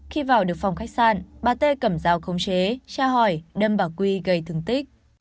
khi vào được phòng khách sạn bà tê cầm dao khống chế tra hỏi đâm bà quy gây thương tích